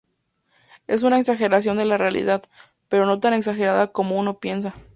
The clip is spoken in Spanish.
Es una exageración de la realidad, pero no tan exagerada como uno piensa.